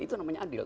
itu namanya adil